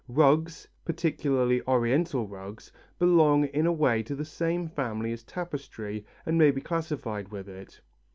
Rugs, particularly Oriental rugs, belong in a way to the same family as tapestry and may be classified with it.